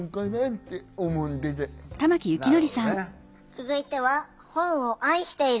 続いては本を愛している。